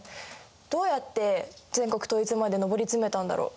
どうやって全国統一まで上り詰めたんだろう？